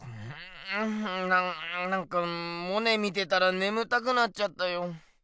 なんかモネ見てたらねむたくなっちゃったよ。